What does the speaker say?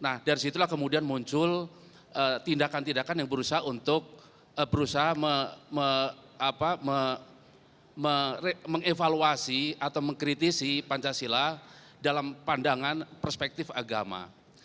nah dari situlah kemudian muncul tindakan tindakan yang berusaha untuk berusaha mengevaluasi atau mengkritisi pancasila dalam pandangan perspektif agama